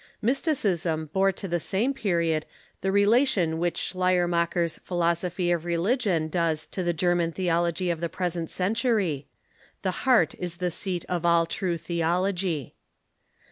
Mysti cism bore to the same period the relation which Schleierma cher's philosophy of religion does to the German theology of the present century — the heart is the seat of all true theology.